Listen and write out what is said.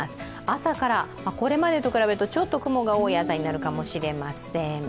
朝から、これまでと比べるとちょっと雲が多い朝になるかもしれません。